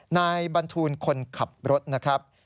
นายบรรทูลคนขับรถนะครับ